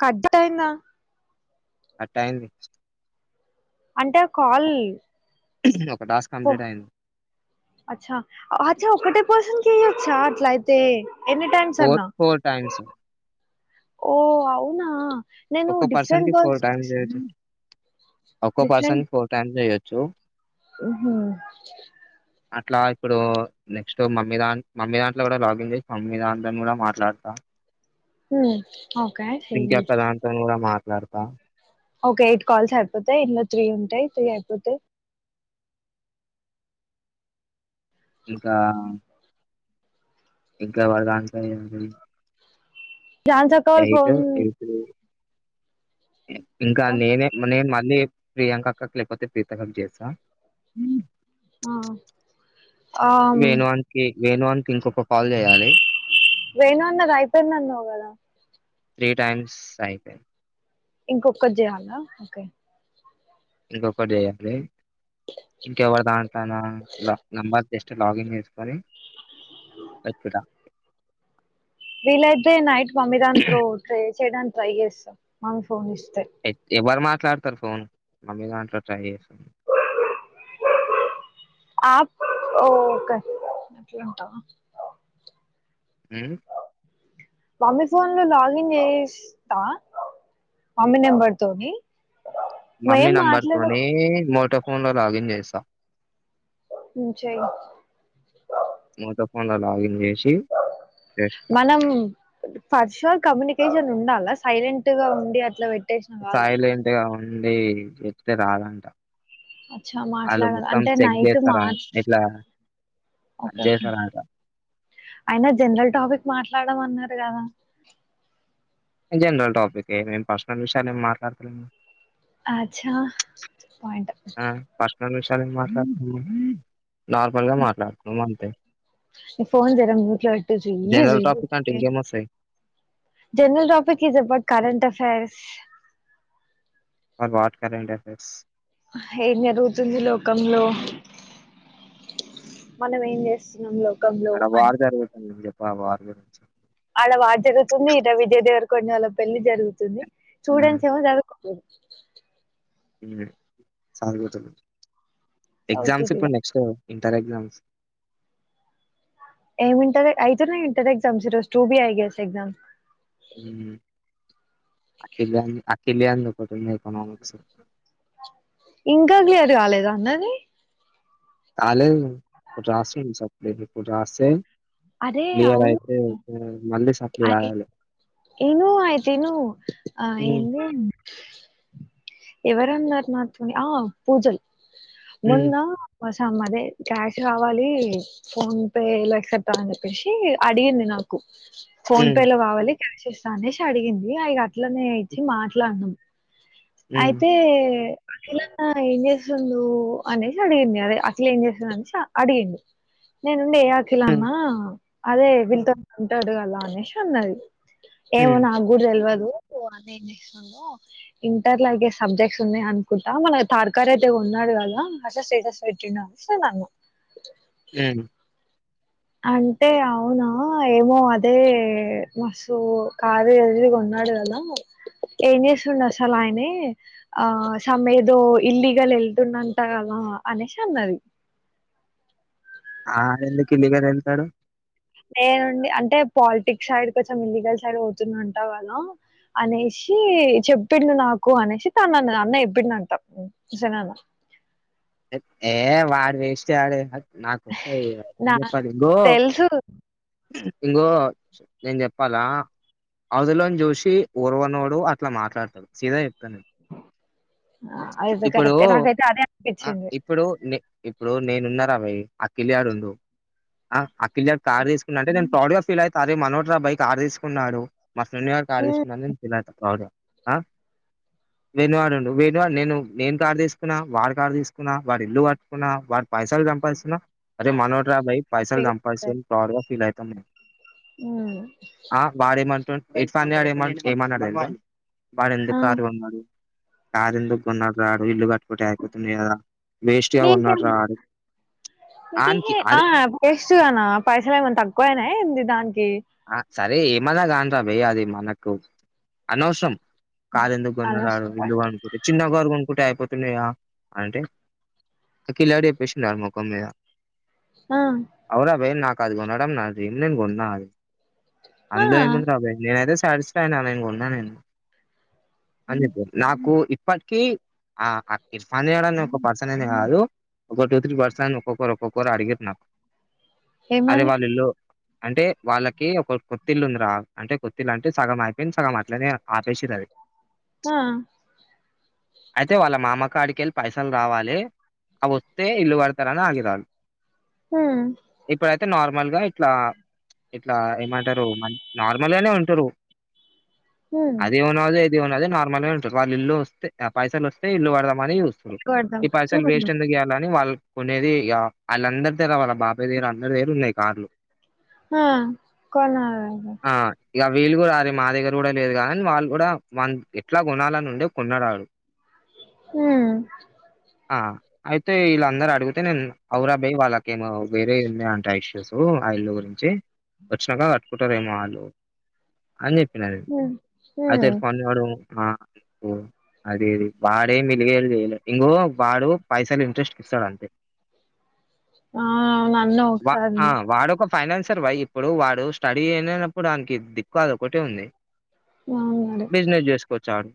కట్టయింద కట్టైంది అంటే కాల్ ఒక టాస్క్ కంప్లీట్ అయింది అచ్చ అచ్చ ఒక్కటే పోస్ ఇయచ్చ అట్లా అయితే ఎన్ని టైమ్స్ ఫోర్ అన్నా ఫోర్ టైమ్స్ ఓ అవునా నేను ఒక్కో పర్సన్ డిఫరెంట్ కి ఫోర్ బల్స్ టైమ్స్ చేయొచ్చు ఒక్కో పర్సన్ ఫోర్ టైమ్ చెయ్యచ్చు చో హా హా అట్లా ఇప్పుడు నెక్స్ట్ మమ్మీ దాం మమ్మీ దాంట్లో కూడా లాగిన్ చేసి మమ్మీ దాంట్ని కూడా మాట్లాడతా. హ్మ్ ఓకె టేక్ దిస్ ట్లార్తా ఓకే ఎయిట్ కాల్స్ అయిపోతాయి ఇందులో త్రీ ఉంటాయి త్రీ అయిపోతాయ్ ఇంకా ఇంకా వాల్ దాంట్లో ఏం పని ఝాన్సీ అక్క వాల ఫోన్ ఎయిట్ ఇంకా ఎత్తా నేనే నే మా లే ప్రియాంక అక్కకి లేకపోతే ప్రీతక్క కి చేస్తా ఆ వేనువాణికి వేనువానికి ఇంకో వెేను అన్నది అయిపోయింది అన్నావు కదా త్రీ టైమ్స్ అయిపైయే ఇంకొక్కటి చేయాలా ఓకే ఇంకొకటి చేయాలి ఇంకా ఎవరి దాంట్లన నంబర్ జస్ట్ లాగిన్ చేసుకోవాలి పెట్టుట వీలయితే నైట్ మమ్మీ దాంట్లో ట్రై చేయడానికి ట్రై చేస్తా మమ్మీ ఫోన్ చేస్త ఎ ఎవరు మా ట్రాక్టర్ ఫోన్ మమ్మీ దాంట్లో ట్రై చేస్స. ఆ ఒకే అట్లుంటావు హ్మ్ మమ్మీ ఫోన్ లో లాగిన్ చేస్తా మమ్మీ నెంబర్ తోని మమ్మీ మేం మాట్లాడ నంబర్తోనే మోటో ఫోన్లో లాగిన్ చేసా హ్మ్ చేయి మోటో ఫోన్లో లాగిన్ చేసి చేస్తా మనం పర్షత్ కమ్యూనికేషన్ ఉండాలా సైలెంట్ గా ఉండి అట్ల బెట్ సాయిల్ ఏంటి ఆ అండి చెప్తే రాదంట అచ్చా వాళ్ళు మాట్లాడాలి మొత్తం అంటే చెక్ నైట్ మా జేస్తారా ఇట్లా అద్ ఓకే ఓకే జేస్తారా అంట అయినా జనరల్ టాపిక్ మాట్లాడమన్నారు గదా జనరల్ టాపికె నేన్ పర్సనల్ విషయాలు ఏం మాట్లాటలేం అచ్చా పాయింట్ ఆ పర్స్నల్ విషయాలు ఏం మాట్లాడ్ నార్మల్గా మాట్లాడతన్నాం అంతే నీ ఫోన్ జర మ్యూట్లో బెట్టు జుయ్ జనరల్ జుయ్ టాపిక్ అంటే ఇంకేం వస్తాయి జనరల్ టాపిక్ ఇది but current affair for what current affairs ఏం జరుగుతుంది లోకంలో మనం ఏం చేస్తున్నాం లోక ఆడ వార్ జరుగుతుంది చెప్పు బ వార్ జరుగుతున్ ఆడ వార్ జరుగుతుంది ఇడా విజయ్ దేవరకొండ వాళ్ళ పెళ్ళి జరుగుతుంది జరుగుతుంది స్టూడెంట్స్ కేమో జరుపు హుమ్ సాంగ్ లో తగ్గుత్ ఎగ్జామ్స్ చదువుతుర్రు ఇగ ఇప్పుడు నెక్స్ట్ కదా ఇంటర్ ఎగ్జామ్స్ ఏం ఇంటర్ ఐతున్నాయ్ ఇంటర్ ఎగ్జామ్స్ టూ బి ఐ గే ఎగ్జామ్ హుమ్ అఖిల్ గాని అఖిల్ గాన్ ది ఒకటి ఉంది ఎకనామిక్స్ ఇంకా క్లియర్ కాలేద అన్నది కాలేదు ఒక్కటి రాసిండు సప్లి ఇపుడు రాస్తే అరే క్లియర్ అవును అయితే ఓకే. మళ్ళీ సప్లీ అరే రాయాలి ఇను అయితేను ఆ ఉమ్ ఏంది ఎవరన్నారు మాతోని ఆ పూజల్ ఉమ్ మోన్నా కోసం అదే క్యాష్ రావాలి ఫోన్ పే లక్ న్ చెప్పేసి అడిగిండు నాకు ఫోన్ ఉమ్ పే లో కావాలి క్యాష్ ఇస్తా అనేసి అడిగింది ఇగా అట్లనే ఇచ్చి మాట్లాడినాం ఉమ్ అయితే అఖిలన్న ఏం చేస్తుండు అనేసి అడిగింది అదే అఖిల్ ఏం చేస్తుంది అనేసి అడిగింది నేను ఏ అఖిల్ అన్న ఉమ్ అదే వీళ్ళతోని ఉంటాడు కదా అన్నేసి అన్నది ఏమో ఉమ్ నాకుడ తెల్వదు ఇంటర్ లాగే సబ్జెక్ట్స్ ఉన్నాయ్ అనుకుంటాం మన తర్కారు అయితే ఉన్నాడు కదా అస స్టేటస్ పెట్టిండ అనేసి నేను అన్నా హుమ్ అంటే అవునా ఏమో అదే మసు కారు అది కొన్నాడు కదా ఏం చేస్తుండు అసలు అనీ ఆ సమ్ ఏదో ఇల్లీగల్ ఎళ్తుండంట కదా అనేసి అన్నది ఆ ఆయన ఎందుకు ఇల్లీగల్ ఎళ్తాడు నేనుండి అంటే పాలిటిక్స్ సైడ్ కొంచెం ఇల్లీగల్ సైడ్ పోతున్నా అంట కదా అనేసి చెప్పిండు నాకు అనేసి తను అన్నది అన్న చెప్పిండు అంటా ఉసేన్ అన్న ఏ వాడ వెస్ట గాడు నాకు స నా చెప్ప గో తెలుసు ఇంగో నేను చెప్పాలా అదులోని చూసి ఊర్వనోడు అట్లా మాట్లాడతాడు సీదా చెప్ అయి తే ఇప్పుడు కరెక్టే నాకైతే అదే ఆన్ ఆ ఇప్పుడు ఇప్పుడు నేనున్నార వి అకిల్ గాదున్డు అ కిలర్ కార్ తీసుకున్నాంటే నేను ప్రౌడ్ గా ఫీల్ ఫీల్ అయిత అరే మనోడ్రారా బై కార్ తీసుకున్నాడు మా ఫ్రెండ్ గాడు కార్ హ్మ్ తీసుకున్నాదుకు నేను ఫీల్ అయిత ప్రౌడుగా ఆ వేణు గాడుండు వేణు వాడు నేను నేను కార్ తీసుకున్నా వాడు కార్ తీసుకు కున్న వాడు ఇల్లు కట్టుకున్నా వాడు పైసలు సంపాదిస్తున్న అరే మనోడ్రా భై పైసలు సంపాదిస్తుండు ప్రౌడ్ గా ఫీల్ అయిత తమిని ఉ ఎట్ ఫన్ అడ ఏ ఏమన్నా అడ వాడు ఆ ఎందుకు కారు కోన్నాడు కారెందుకు కొన్నాడ్రా ఆడు ఇల్లు కట్టుకుటే అయిపోతుంది కదా వేస్ట్ గా కొన్నాడు రా నీకేమైనా ఆడు ఆనికి అ అది వేస్టుదానా అ పైసలు ఏమన్నా తక్కువయినా ఏందీ దానికి ఆ సరే ఏమన్నా గాండ్రా బై అది మనకు అనవసరం కారెందుకు కొన్నాడ్రా వాడు అనవసరంగా ఇల్గు కొన్నుకుంటే చిన్న కార్ కొన్నుకుంటే కుటే అయిపోతుండే గా అంటే క్లియర్ గా చెప్పేస్తుండు వాడి ముఖం మీద ఆ అవురా బై నాకు అది కొనడం నా దిల్ నేను కొన్నా అది అందులో ఆ ఏముందిరా బై నేనైతే సాటిస్ఫైఅయిన నేను కొన్న నేను అని చెప్పి నాకు ఇప్పటికి ఆ కిర్ఫాన్డాని ఒక పర్సన్ అనే కాదు ఒక టూ త్రీ పర్సన్ ఒక్కొక్కరు ఒక్కొక్కరు అడిగిరు నాకు అరే ఏమని వాళ్ళ ఇల్లో అంటే వాళ్ళకి ఒక కొత్తిల్లు ఉందిరా అంటే కొత్తిల్ అంటే సగం అయిపోయింది సగం అట్లనే ఆపేసిర్రు అది ఆ అయితే వాళ్ళ మామ కాడికెళ్ళి పైసలు రావాలే అవి వస్తే ఇల్లు కడతారని ఆగిర్రు వాళ్ళు ఉమ్ ఇప్పుడయితే నార్ మల్ గా ఇట్లా ఇట్లా ఏమంటారు మ నార్మల్గానే ఉంటారు ఉమ్ అది గొన్నాలే ఇది కొన్నాలే నాకు మ ఉంటుారు వాళ్ళ ఇల్లు వస్త ఆ పైసలు వస్తే ఇల్లు కడదామని కొడదాం ఈ పైసలు ఉమ్ వేస్ట్ ఎందుకు చేయాలని వాళ్లు కొనేది ఇగ వాళ్ళందరి దగ్గర వాళ్ళ బాబాయ దగ్గర అందరి దగ్గర ఉన్నాయి కార్లు ఆ కొనలట ఇక వీళ్ళు కూడా వారి మా దగ్గర కూడా లేదు కాదని వాళ్ళు కూడా ఎట్లా కొనాలని వుండే కొన్నాడు వాడు ఉ ఆ అయితే వీళ్ళ అందరు అడుగు అయితే నేను అవరాబయయి వాళ్ళకేో వేరే అంటాయి ఇష్యూ ఓ అయలురి వ వచ్చినాక కట్టుకుంటారేమో వాళ్ళు అని చె ఉమ్ అయితే ఉమ్ ఫోన్ ఇవ్వడం ఆ ఓ అది అది వాడే మిలిగ చేయలే ఇంకో వాడు పైసలు ఇంట్రెస్ట్ ఇస్తాడు అంతే ఆ నన్న ఒకసారి ఫైనాన్స్ సార్ బై ఇప్పుడు వాడు స్టడీ అనప్పుడు దానికి దిక్కు అది ఒకటిే ఉంది అవునడు బిజినెస్ చేసుకోొచ్చా వాడు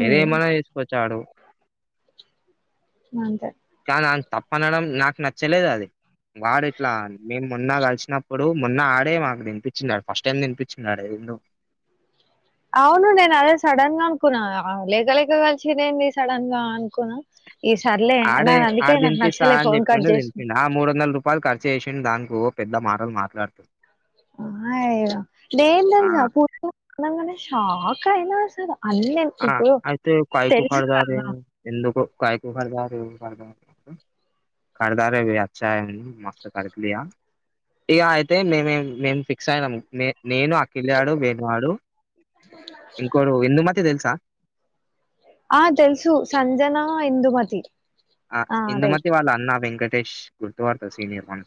వేరే ఏమన్నా చేసుకోవచ్చ చడో అంతే నా తప్పనడం నాకు నచ్చలేదు అది వాడట్లా మేము మొన్నా కలిసి అప్పుడు మొన్న ఆడే మాకు తినిపించిన్నాడు ఫస్ట్ టైం తినిపించిన్నాడు ఎందుో అవును నేను అదే సడన్ గా అనుకున్నా లేక లేక కలిసిదేంది సడన్ గా అనుకున్నా ఈ సర్లే ఆడే నాకు అందుకే ఆడ నాకు తిపిస్తా నచ్చలే అని ఫోన్ కట్ చెప్పిండు చేసిన దినిపిం మూడు వందల రూపాయలు ఖర్చు చేసిండు దానికి పెద్ద మాటలు మాట్లాడుత ఆ లేే ఆ పూ మ సక్ కాైనాస ఆ అయితే కాయకు కడదార కదా ఎందుకు యకుదాారిదా రే అచ్చా మాస్ కకులియ ఇక అయితే మేమే మేం ఫిక్స్ అయినాం నే నేను అకిెళ్ళాడు వేణవాడు ఇంకోడు ఇందుమతి తెలుసు త ఆ తెలుసు సంజనా ఇందుమతి ఆ ఇందుమతి వాళ్ళు అన్నా వెంకట్ ష్ గురుత్వార్ సీనియర్య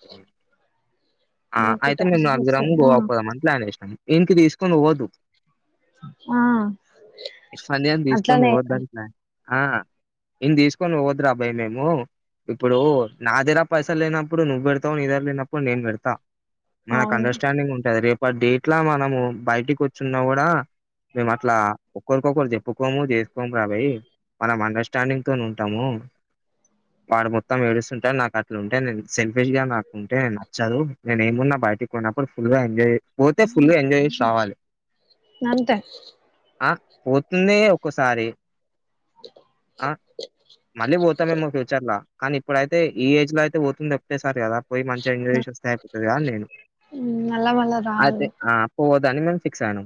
అనుకుట అయితే మేము నలుగురము ఆ గోవాకు పోదామని ప్లాన్ చెసినాము ఇన్ కి తీసుకొని పోవద్దు ఆ ఇర్ఫాన్ ని తీసుకొని అట్లనే పోవద్దని ప్లాన్ ఆ ఇన్ తీసుకని పోవద్దు రాబాయ్ మేము ఇప్పుడు నా దగర పైసలు లేనప్పుడు నువ్వు పెడతావు నీదగర లేనప్పుడు నేను పెడతా మనకు అవును అండర్స్టాండింగ్ ఉంటద రేపు ఒక డేట్లా మనము బయటికి వచ్చున్నా కూడా మేము అట్లా ఒకరికొకరు చెప్పుకోము చేసుకోము రాబయ్ మనం అండర్స్టాండింగ్ తోని ఉంటాము వాడు మొత్తం ఏడుస్తుంటే నాకు అట్ల ఉంటే నేను సెల్ఫిష్ గా నాకు ఉంటే నే నచ్చదు నేను ఏమున్నా బయటికిన్నప్పుడు ఫుల్గా ఎంజాయ్ పోతే ఫుల్ గా ఎంజాయ్ చేసి రావాలి అంతే ఆ పోతుందే ఒకసారి ఆ మళ్ళీ పోతాము ఏమో ఫ్యూచర్ ల కానీ ఇప్పుడయితే ఈ ఏజ్ లో అయితే పోతుంది ఒకేసారి కదా పోయి మంచిగా ఎంజాయ్ చేసి వస్తే అయిపోతుంది అని నేను మళ్ళా మళ్ళా అయితే రాదు అ పోవద్దు దాన్ని మేము ఫిక్స్ అయినాం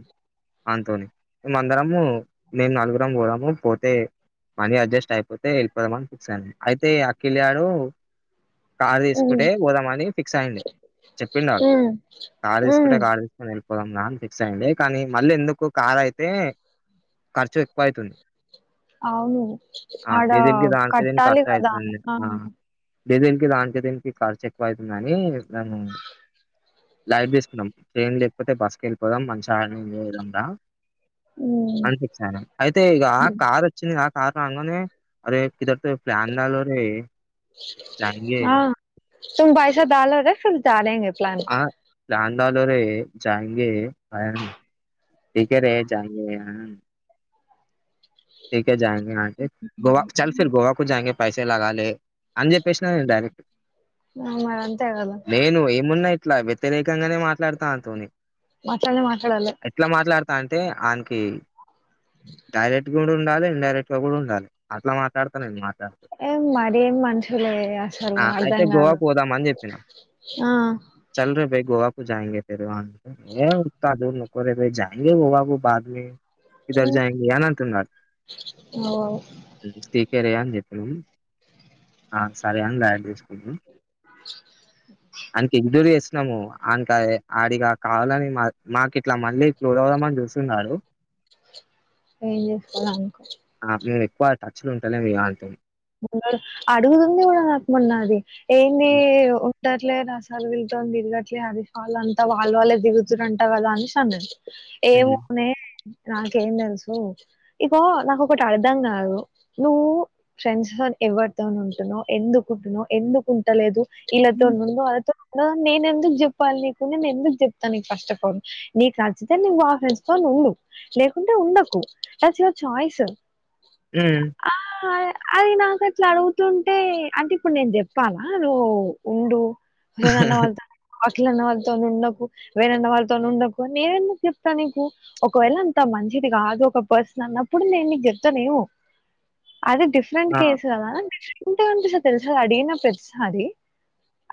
ఆన్ తోని మేము అందరము మేము నలుగురం పోదము పోతే మనీ అడ్జస్ట్ అయిపోతే పోదాం అని ఫిక్స్ అయ్యినం అయితే అకిల్ గాడు కార్ ఉమ్ తీసుకుంటే పోదామని ఫిక్స్ అయ్యండే చెప్పిండు ఆడు ఉమ్ కార్ ఉమ్ తీసుకుంటే కార్ తీసుకొని పోదాం దా ఫిక్స్ అయియండే కానీ మళ్ళీ ఎందుకు కార్ అయితే ఖర్చు ఎక్కువ ఐతుంది అవును ఆడ డీజిల్ కి ఆ దానికి కట్టాలి కదా దేదినికి దానికి దినికి ఖర్చు ఎక్కువ అయ్యితుంది అని ఏయ్ ధను లైట్ తీసుకున్నాం ట్రైన్ లేకపోతే బస్సుకి వెళ్ళిపోదాం మంచి దాని లేదంగా ఉమ్ అనిపించాన అయితే ఇక కార్ వచ్చింది గా కార్ రంగనే అరే ఇద్దరు సో ప్లాన్ దల్ రే జహి ఆ తుమ్ బైసా దాల్ లో రే తుమ్ డాలేంగే చెలాని జాన్ దాలేరే జయింగే క ర టికోరే జాంగే జయింగే గోవా చల్ ఫిర్ గోవాకు జయింగే పైసే లగాలే అని చెప్పేసినను నేను డైరెక్ట్ మరి అంతే కదా నేను ఏమున్నాయి ఇట్లా వ్యతిరేకంగానే మాట్లాడుతా ఆన్ తోని మాట్లాడ మాట్లాడాలే తే అన్కి డైరెక్ట్ [unintelligible] ఉండాలే ఇండైరెక్ట్ గ గుడ్ ఉండాలే అట్లా మాట్లాడతా నేన్ మాట్ ఏ మరి ఏం మనుషులే అసలు ఆ! అయితే అర్ధంగాదు గోవాకు పోదామని చెప్పిన. ఆ జయింగే ఫిర్ వాం ఏ ఉత్హ దూర్ నక్ కోరే బాయ్ జయింగే గోవా కు బాద్మే ఇదర్జయెంగె ఆనంద్ అవు [unintelligible] సరే అని చెప్పినం ఆ సరే అని లలైట్ తీసుకున్నాం అంత్ ఇంజురీయస్ ము ఆన్కి ఆ ఆడిగా కావాలని మా మాకు ఇట్లా మళ్ళీ ఇట్ల ఉదవుదామని చూస్తున్నాడు ఏంచేస్కోదంకో క్కువ టచ్ ల ఉంటలేం ఇగ ఆంతోని మన్నడు అడుగుతుంది కూడా నాకు మొన్న అది ఏంది ఏదో తిట్టట్లే నాసలు విల్తోని తిర్గట్లే అది వాళ్ళ అంతా వాళ్ళ వాళ్ళే దిగుతుంట కదా అని సన్నది ఏమో హ్మ్ నే నాకేం తెలుసు ఇగో నాకొకటి అర్థం కాదు నువ్వు ఫ్రెండ్స్ లో ఎవరితో ఉంటనో ఎందుకుంటునో ఎందుకు ఉంటలేదు ఇళ్లతో ఉండు అల్లతో నేను ఎందుకు చెప్పాలి నీకు నేను ఎందుకు చెప్తాను నీకు ఫస్ట్ ఆఫ్ ఆల్ నీకు నచ్చితే నువ్ ఆ ఫ్రెండ్సతో ఉండు లేకుంటే ఉండకు అది న ఛాయస్ మ్మ్ అది నాక్ అట్లా అడుగుతుంటే అంటే ఇప్పుడు నేను చెప్పాలా నువ్వు ఉండు వేరే అన్నా వాల్తో నిక్ పౌష్ ట్లనో వాళ్ళతో ఉండకు వేనన్న వాళ్ళతో ఉండకు నేను చెప్తా నీకు ఒకవేళ అంత మంచిది కాదు ఒక పర్సన్ అన్నప్పుడు నేను నీకు చెప్తానేమో అది డిఫ్ డెంట్ ఆ కేసు కద ఉంటే ఉంటే సార్ తెలుస అడిగిన ప్రతిసారి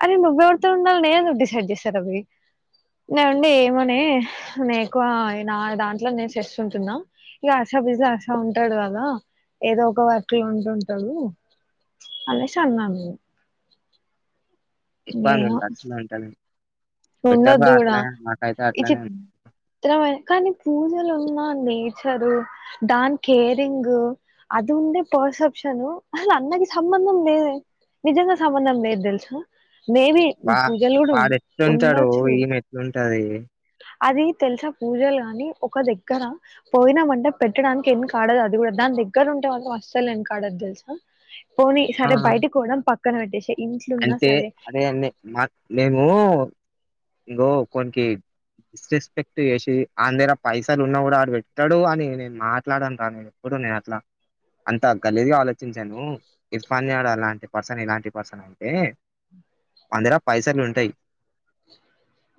అరే నువ్ ఎవరితో ఉండాల్నో నేను ఎందుకూ డిసైడ్ చేస్తారా బయ్ నేనుండి ఏమోనే నీకు నా ఆ నాదంట్లో నేన షేఫ్స్ ఉంటున్నా ఇక హర్షా బీసీ లో హర్ష ఉంటద్ కదా ఏదో ఒక వర్క్ లో ఉ ఉంటాడు అనే సన్నను ఎక్కువ అడ్ నెన్ టచ్ లో ఉంటలేన్ పెట్టారు బా ఉండొద్దు కూడా అట్లా నాకైతే ఈ అట్లనే ఉంది చిత్రమైన కానీ పూజలో ఉన్న నేచరు దాని కేరింగ్ అది ఉండే పర్సెప్షన్ అల అన్నకి సంబంధం లేదే నిజంగా సంబంధం లేద్ తెలుస మేబీ పూజలు కూడ్ ఉ టడో ఇమే ఎట్ ఉంటది. అది తెలుసా పూజలు గానీ ఒక దగ్గర పోయినవంటే పెట్టడానికి ఎనుకాడదు అది కూడా దాని దగ్గర ఉంటే వాళ్ళ అసలు ఎనుకాడదు తెలుసా. పోనీ ఆ సరే బయటీకి పోదంపా. ఇక్కనేపెట్టేసేయ్. అంటే అదే అనే మాకు మేము. ఇంకో ఒక్కనికి డిస్రెస్పెక్ట్ చేసి ఆన్ దగ్గర పైసలు ఉన్నా కూడా ఆడు పెట్టాడు అని నేను మాట్లాడాను కానీ ఎప్పుడు నేను అట్లా అంత గల్లీజ్గా ఆలోచించాను ఇర్ఫాన్ గాడు అలాంటి పర్సన్ ఇలాంటి పర్సన్ అంటే. అన్దేరా పైసలు ఉంటాయి.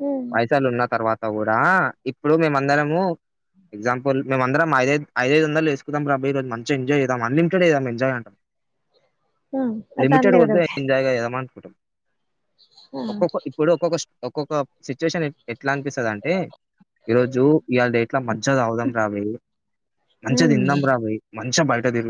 మ్మ్ పైసలు ఉన్న తర్వాత్. తౌడా. ఇప్పుడు మేమందరము. ఎగ్జాపుల్ మేమందరం ఐదు ఐదు ఐదైద్ వందలేస్కుందాం రబై ఈరోజు మంచి ఎంజాయి చేద్దాం అన్లిమిటెడ్ చేదాం ఎంజాయ్ అంటాడు. మ్మ్ లిమిటెడ్ దానిలో వద్ద ఎవరో ఎంజాయ్ చేద్దాం అనుకుంటాడు. ఆ ఒక్కటీ ఇప్పుడు ఒక్కొక్క స్టో ఒక్కొక్క సిచ్యుయేషన్ ఎట్లా అనిపిస్తది అంటే. ఈ రోజు ఇవాళ డేట్లా మంచిగా తాగుదాం రా బాయ్. మంచిగా హ్మ్ తిందాం రా బాయ్. మంచిగా బయట తిరుగుదం.